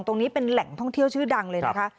ตรงนี้เป็นแหล่งท่องเที่ยวชื่อดังเลยนะคะ